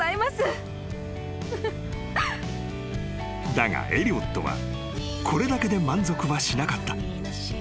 ［だがエリオットはこれだけで満足はしなかった］